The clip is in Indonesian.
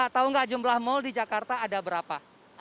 tahu nggak jumlah mal di jakarta ada berapa